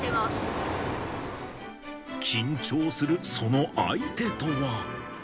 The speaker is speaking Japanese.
緊張する、その相手とは？